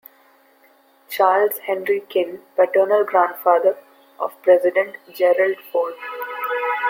Charles Henry King, paternal grandfather of President Gerald Ford.